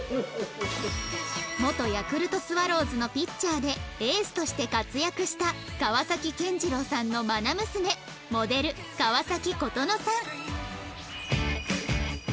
元ヤクルトスワローズのピッチャーでエースとして活躍した川崎憲次郎さんのまな娘モデル川崎琴之さん